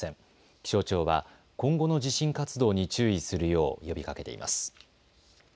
気象庁は今後の地震活動に注意するよう呼びかけています。